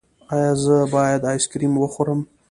ایا زه باید آیسکریم وخورم؟